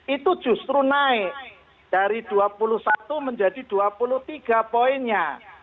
itu justru naik dari dua puluh satu menjadi dua puluh tiga poinnya